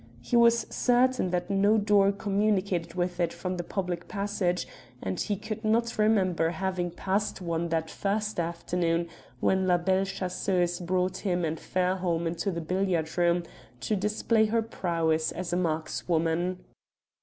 He was certain that no door communicated with it from the public passage, and he could not remember having passed one that first afternoon when La Belle Chasseuse brought him and Fairholme into the billiard room to display her prowess as a markswoman.